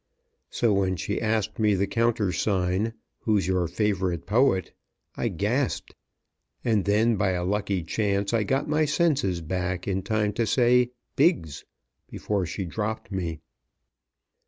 So when she asked me the countersign, "Who's your favorite poet?" I gasped, and then, by a lucky chance, I got my senses back in time to say "Biggs" before she dropped me.